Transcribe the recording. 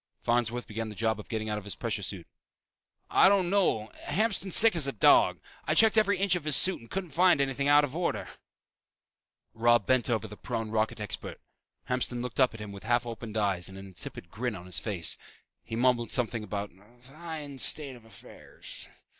Farnsworth began the job of getting out of his pressure suit. "I don't know. Hamston's sick as a dog. I checked every inch of his suit and couldn't find anything out of order." Robb bent over the prone rocket expert. Hamston looked up at him with half opened eyes and an insipid grin on his face. He mumbled something about "a fine state of affairs."